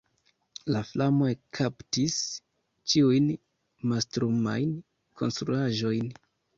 La flamo ekkaptis ĉiujn mastrumajn konstruaĵojn.